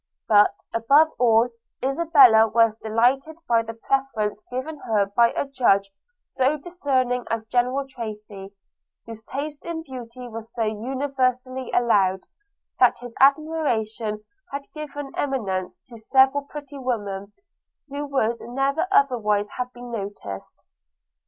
But, above all, Isabella was delighted by the preference given her by a judge so discerning as General Tracy – whose taste in beauty was so universally allowed, that his admiration had given eminence to several pretty women, who would never otherwise have been noticed.